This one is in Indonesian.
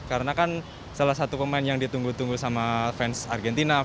karena kan salah satu pemain yang ditunggu tunggu sama fans argentina